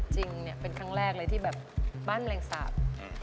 จริงเนี่ยเป็นครั้งแรกเลยที่แบบบ้านแมลงสาป